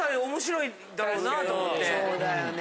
そうだよね。